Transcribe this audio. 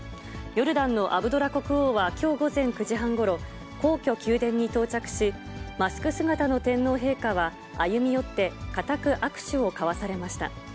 ヨルダンのアブドラ国王はきょう午前９時半ごろ、皇居・宮殿に到着し、マスク姿の天皇陛下は歩み寄って、固く握手を交わされました。